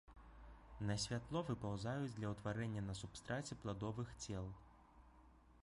На святло выпаўзаюць для ўтварэння на субстраце пладовых цел.